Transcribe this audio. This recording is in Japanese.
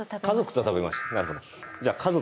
家族と食べました。